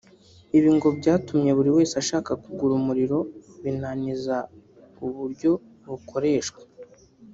Ibi ngo byatumye buri wese ashaka kugura umuriro binaniza uburyo bukoreshwa